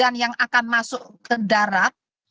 hujan yang akan masuk ke darat